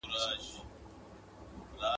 نرخونه په خپل حال پاتې دي.